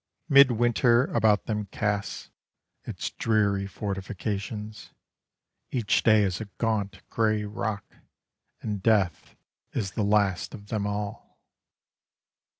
Mid winter about them casts, Its dreary fortifications: Each day is a gaunt grey rock, And death is the last of them all.